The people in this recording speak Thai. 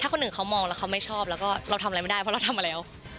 คนหนึ่งเขามองแล้วเขาไม่ชอบแล้วก็เราทำอะไรไม่ได้เพราะเราทำมาแล้ว